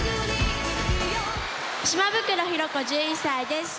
島袋寛子１１歳です。